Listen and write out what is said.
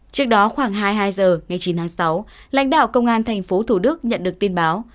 trước đó khoảng hai mươi hai h ngày chín tháng sáu lãnh đạo công an tp thủ đức nhận được tin báo